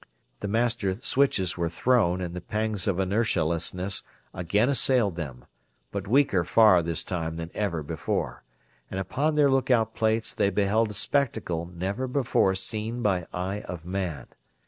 The master switches were thrown and the pangs of inertialessness again assailed them but weaker far this time than ever before and upon their lookout plates they beheld a spectacle never before seen by eye of man.